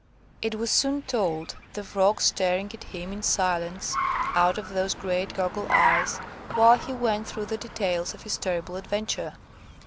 It was soon told; the Frog staring at him in silence out of those great goggle eyes, while he went through the details of his terrible adventure.